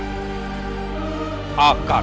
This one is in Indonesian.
jika semakin lama dibiarkan